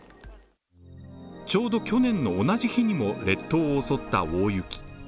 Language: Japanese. ちょうど去年の同じ日にも列島を襲った大雪。